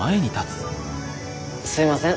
すいません